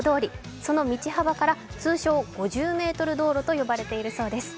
その道幅から通称・５０ｍ道路と呼ばれているそうです。